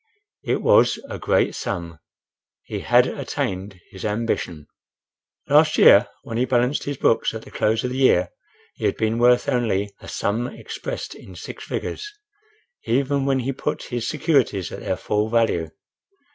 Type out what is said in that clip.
It was a great sum. He had attained his ambition. Last year when he balanced his books at the close of the year, he had been worth only—a sum expressed in six figures, even when he put his securities at their full value.